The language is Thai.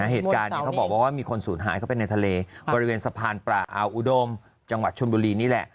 เหตุการณ์นี้เขาบอกว่ามีคนสูญหายเข้าไปในทะเลบริเวณสะพานปลาอาวอุดมจังหวัดชนบุรีนี่แหละ